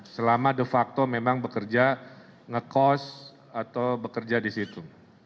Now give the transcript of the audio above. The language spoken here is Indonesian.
selama de facto memang bekerja ngekos atau bekerja di situ